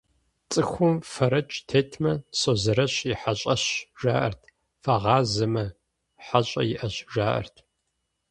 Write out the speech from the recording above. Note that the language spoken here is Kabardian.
Цӏыхум фэрэкӏ тетмэ, «Созэрэщ и хьэщӏэщ» жаӏэрт, фэгъазэмэ, «хьэщӏэ иӏэщ» - жаӏэрт.